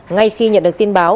ngay khi nhận được tin báo